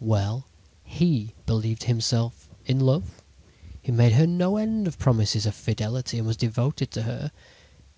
"Well, he believed himself in love; he made her no end of promises of fidelity, and was devoted to her.